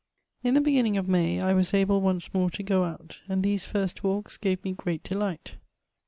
In the beginning of May I was able once more to go out, and these first walks gave me great delight.